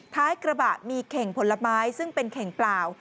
ท้ายกระบะมีเข่งผลไม้ซึ่งเป็นเข่งเปล่า